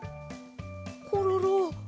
コロロ。